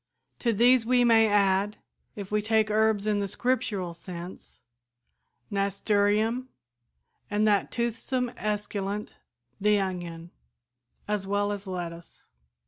To these we may add, if we take herbs in the Scriptural sense, nasturtium, and that toothsome esculent, the onion, as well as lettuce.